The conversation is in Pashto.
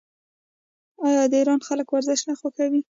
آیا د ایران خلک ورزش نه خوښوي؟